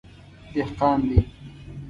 _دهقان دی.